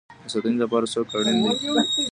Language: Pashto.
د ساتنې لپاره څوک اړین دی؟